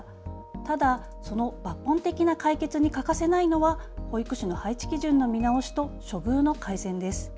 ただその抜本的な解決に欠かせないのは保育士の配置基準の見直しと処遇の改善です。